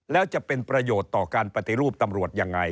แล้วจะเป็นประโยชน์ต่อการปฏิรูปตำรวจยังไง